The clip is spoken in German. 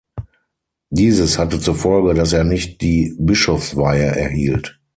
Dieses hatte zur Folge, dass er nicht die Bischofsweihe erhielt.